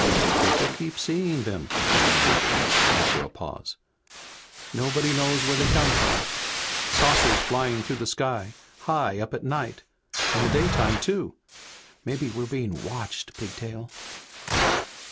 '" "People keep seeing them!" Jimmy muttered, after a pause. "Nobody knows where they come from! Saucers flying through the sky, high up at night. In the daytime, too! Maybe we're being watched, Pigtail!"